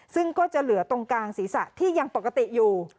ซึ่งก็จะเหลือตรงกลางศีรษะที่ยังปกติอยู่